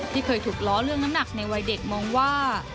เคยถูกล้อเรื่องน้ำหนักในวัยเด็กมองว่า